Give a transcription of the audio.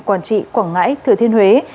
quảng trị quảng ngãi thừa thiên huế